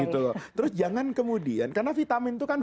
terus jangan kemudian karena vitamin itu kan